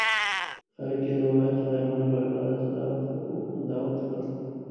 خلک یې د واحد خدای منلو او عبادت ته دعوت کړل.